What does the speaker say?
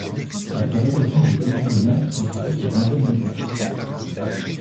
La fabrication de boutons de nacre nécessite une vingtaine d'étapes.